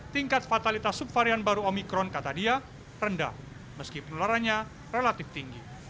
tingkat fatalitas subvarian baru omikron kata dia rendah meski penularannya relatif tinggi